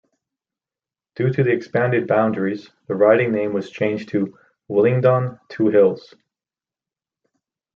Due to the expanded boundaries the riding name was changed to Willingdon-Two Hills.